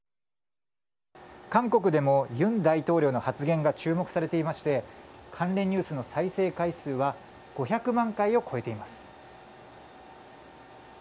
韓国でも尹大統領の発言が注目されていて関連ニュースの再生回数は５００万回を超えています。